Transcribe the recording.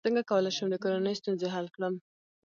څنګه کولی شم د کورنۍ ستونزې حل کړم